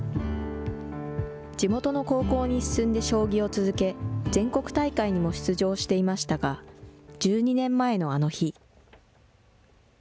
地元の高校に進んで将棋を続け、全国大会にも出場していましたが、１２年前のあの日。